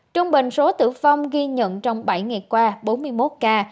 trung bình số tử vong ghi nhận trong bảy ngày qua bốn mươi một ca